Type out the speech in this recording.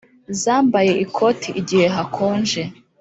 zambaye ikoti igihe hakonje,